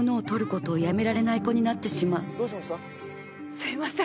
すいません。